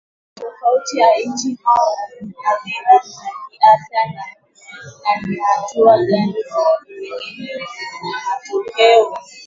tofauti ya nchi yao athari za kiafya na ni hatua gani zenye matokeo